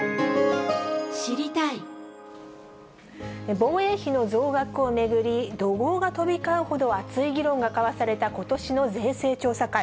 防衛費の増額を巡り、怒号が飛び交うほど熱い議論が交わされたことしの税制調査会。